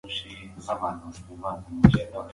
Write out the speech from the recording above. تاسو د تاریخ په پاڼو کې د خپلو اسلافو کارنامې ولولئ.